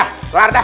ya selar dah